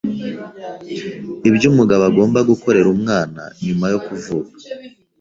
Ibyo umugabo agomba gukorera umwana nyuma yo kuvuka